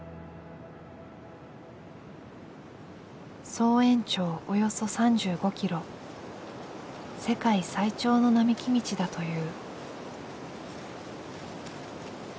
総延長およそ３５キロ世界最長の並木道だという。